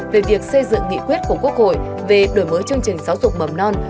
về việc xây dựng nghị quyết của quốc hội về đổi mới chương trình giáo dục mầm non